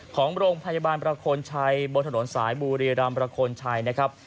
ของโรงพยาบาลประโคนชัยบนถนนสายบุรีรำประโคนชัยนะครับ